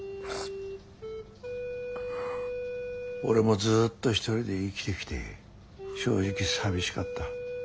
俺もずっと一人で生きてきて正直寂しかった。